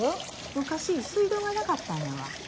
昔水道がなかったんやわ。